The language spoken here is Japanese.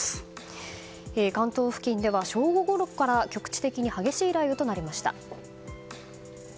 関東付近では正午ごろから局地的に激しい雷雨となりました。